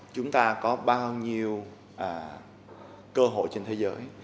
chúng ta có bao nhiêu cơ hội trên thế giới